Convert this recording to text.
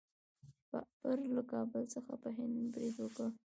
بابر له کابل څخه په هند برید وکړ.